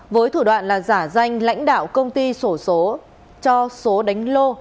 với thủ đoạn là giả danh lãnh đạo công ty sổ số cho số đánh lô